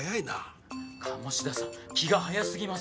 鴨志田さん気が早すぎます！